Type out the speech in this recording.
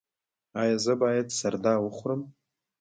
ایا زه باید سردا وخورم؟